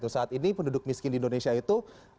saat ini penduduk miskin di indonesia itu